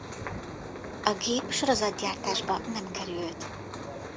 A gép sorozatgyártásba nem került.